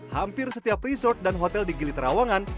hampir setiap resort dan hotel di gili terawangan